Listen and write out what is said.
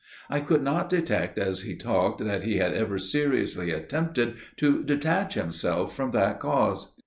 I could not detect as he talked that he had ever seriously attempted to detach himself from that cause.